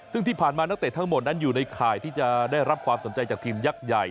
ซึ่งที่ผ่านมานักเตะทั้งหมดนั้นอยู่ในข่ายที่จะได้รับความสนใจจากทีมยักษ์ใหญ่